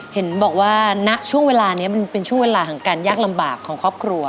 เห็นบอกว่าณช่วงเวลานี้มันเป็นช่วงเวลาของการยากลำบากของครอบครัว